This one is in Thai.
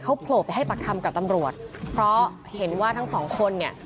เขาโผล่ไปให้ปากคำกับตำรวจเพราะเห็นว่าทั้งสองคนเนี่ย